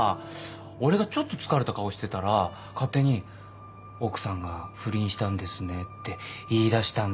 俺がちょっと疲れた顔してたら勝手に「奥さんが不倫したんですね」って言いだしたんだよ。